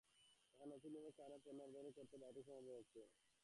এখন নতুন নিয়মের কারণে পণ্য আমদানিতে আরও বাড়তি সময় ব্যয় হচ্ছে।